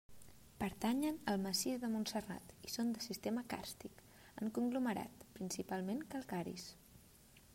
Pertanyen al massís de Montserrat i són de sistema càrstic, en conglomerat, principalment calcaris.